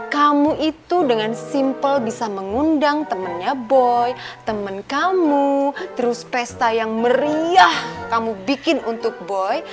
kamu itu dengan simple bisa mengundang temannya boy teman kamu terus pesta yang meriah kamu bikin untuk boy